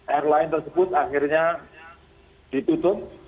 airline tersebut akhirnya ditutup